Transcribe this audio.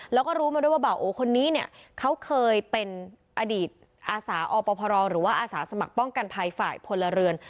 แล้วก็รู้มาด้วยว่าบ่าโอคนนี้เนี่ยเขาเคยเป็นอดีตอาสาอพรหรือว่าอาสาสมัครป้องกันภัยฝ่ายพลเรือน